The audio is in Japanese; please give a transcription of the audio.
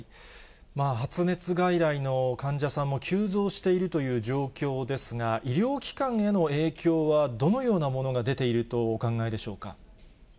発熱外来の患者さんも急増しているという状況ですが、医療機関への影響はどのようなものが出ているとお考えでしょうか。